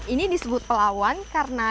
ini disebut pelawan karena